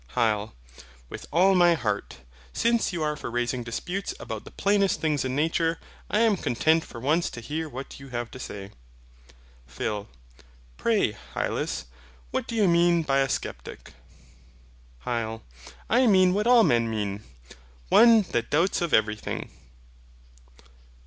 HYL. With all my heart. Since you are for raising disputes about the plainest things in nature, I am content for once to hear what you have to say. PHIL. Pray, Hylas, what do you mean by a SCEPTIC? HYL. I mean what all men mean one that doubts of everything.